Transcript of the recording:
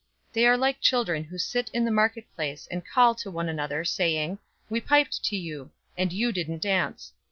007:032 They are like children who sit in the marketplace, and call one to another, saying, 'We piped to you, and you didn't dance.